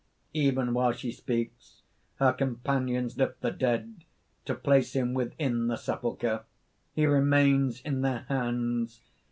(_Even while she speaks, her companions lift the dead, to place him within the sepulchre. He remains in their hands!